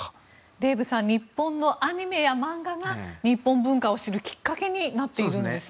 デーブさん日本のアニメや漫画が日本文化を知るきっかけになっているんですね。